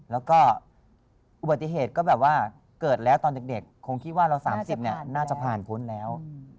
แล้วก็อุบัติเหตุก็แบบว่าเกิดแล้วตอนเด็กคงคิดว่าเรา๓๐น่าจะผ่านพ้นแล้ว